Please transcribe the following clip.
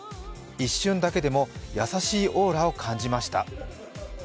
一瞬だけでも優しいオーラを感じました。